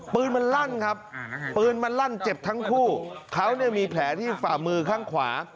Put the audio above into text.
ปืนมันลั่นครับปืนมันลั่นเจ็บทั้งคู่เขาเนี่ยมีแผลที่ฝ่ามือข้างขวา